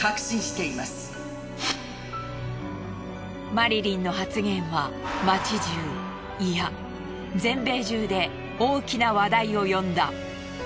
マリリンの発言は街中いや全米中で大きな話題を呼んだ。